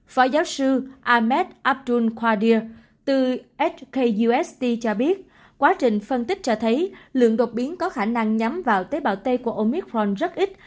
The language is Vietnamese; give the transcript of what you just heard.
phó giáo sư ahmed abdul qadir từ hkust cho biết quá trình phân tích cho thấy lượng đột biến có khả năng nhắm vào tế bào t của omicron rất ít